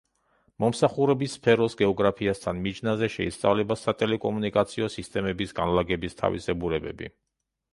მომსახურების სფეროს გეოგრაფიასთან მიჯნაზე შეისწავლება სატელეკომუნიკაციო სისტემების განლაგების თავისებურებები.